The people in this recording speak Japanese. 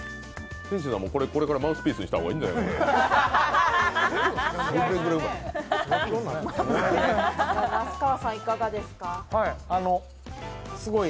天心君、これからマウスピースにした方がいいんじゃない？